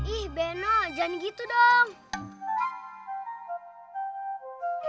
ih beno jangan gitu dong